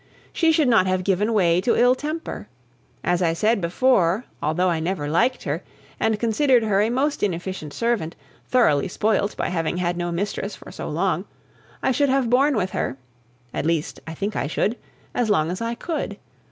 She should not have given way to ill temper. As I said before, although I never liked her, and considered her a most inefficient servant, thoroughly spoilt by having had no mistress for so long, I should have borne with her at least, I think I should as long as I could.